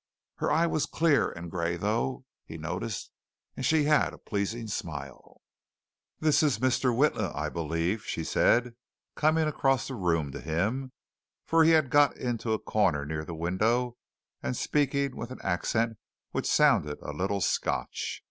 Her eye was clear and gray though, he noticed, and she had a pleasing smile. "This is Mr. Witla, I believe," she said, coming across the room to him, for he had got into a corner near the window, and speaking with an accent which sounded a little Scotch.